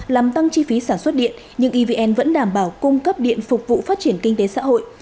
làm tăng chi phí sản xuất điện nhưng evn vẫn đảm bảo cung cấp điện phục vụ phát triển kinh tế xã hội